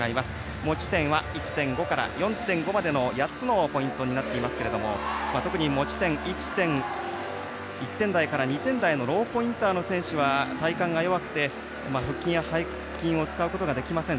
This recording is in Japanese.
持ち点は１．５から４．５までとなっていますが特にも地点１点台から２点台のローポインターの選手は体幹が弱くて腹筋や背筋を使うことができません。